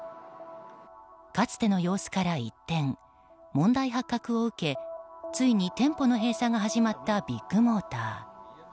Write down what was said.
かつての様子から一転問題発覚を受けついに店舗の閉鎖が始まったビッグモーター。